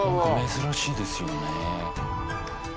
珍しいですよね。